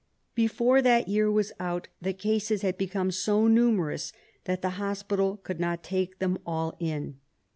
Before that year was out the cases had become so numerous that the hospital could not take them all in.